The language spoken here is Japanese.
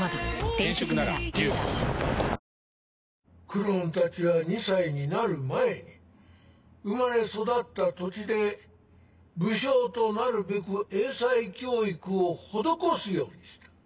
クローンたちは２歳になる前に生まれ育った土地で武将となるべく英才教育を施すようにした。